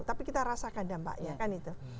tapi kita rasakan dampaknya kan itu